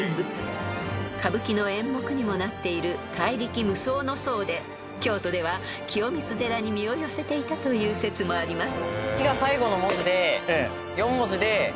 ［歌舞伎の演目にもなっている怪力無双の僧で京都では清水寺に身を寄せていたという説もあります］